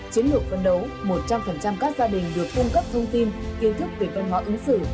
chiến lược phân đấu một trăm linh các gia đình được cung cấp thông tin kiến thức về văn hóa ứng xử